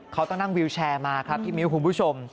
เขาต้องนั่งวิวแชร์มาครับพี่มิ้วคุณผู้ชม